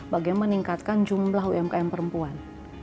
bagaimana meningkatkan jumlah umkm perempuan